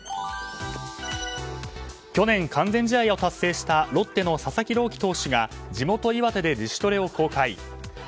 去年、完全試合を達成したロッテの佐々木朗希投手が地元・岩手で自主トレを公開。